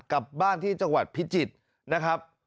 กลับบ้านที่จังหวัดพิจิตรนะครับ